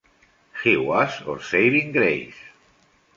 He was our saving grace.